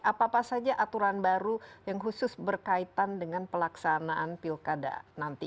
apa apa saja aturan baru yang khusus berkaitan dengan pelaksanaan pilkada nanti